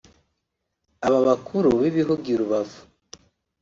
Aba bakuru b’ibihugu i Rubavu